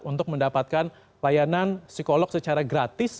untuk mendapatkan layanan psikolog secara gratis